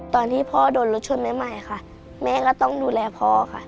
ตอนที่พ่อโดนรถชนใหม่ค่ะแม่ก็ต้องดูแลพ่อค่ะ